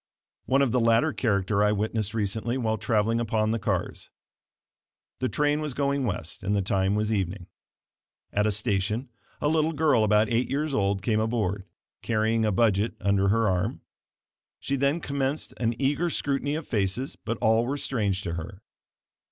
One of the latter character I witnessed recently while traveling upon the cars. The train was going west and the time was evening. At a station a little girl about eight years old came aboard, carrying a budget under her arm. She then commenced an eager scrutiny of faces, but all were strange to her.